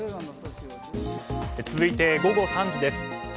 続いて午後３時です。